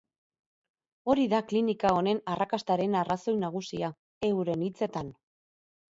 Hori da klinika honen arrakastaren arrazoi nagusia, euren hitzetan.